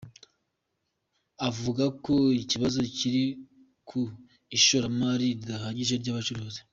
Avuga ko ikibazo kiri ku ishoramari ridahagije ry’abacukuzi.